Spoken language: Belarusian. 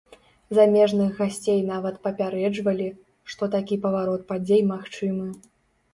Замежных гасцей нават папярэджвалі, што такі паварот падзей магчымы.